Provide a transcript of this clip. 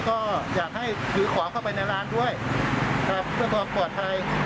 ก็อยากให้ถือของเข้าไปในร้านด้วยครับเพื่อความปลอดภัย